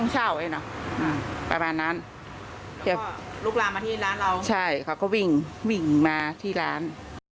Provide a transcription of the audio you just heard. ใช่เขาก็วิ่งวิ่งมาที่ร้าน